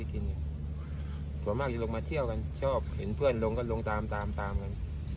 ส่วนมากจะลงมาเที่ยวกันชอบเห็นเพื่อนลงก็ลงตามตามกัน